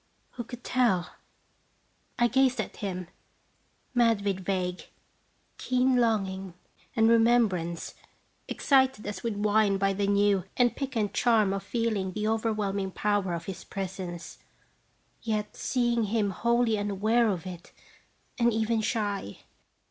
Who could tell? I gazed at him, mad with vague, keen longing and remembrance, excited as with wine by the new and piquant charm of feeling the overwhelming power of his presence, yet see ing him wholly unaware of it, and even shy.